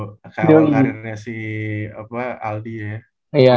ke awal karirnya si aldi ya